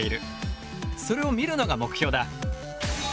それを見るのが目標だ。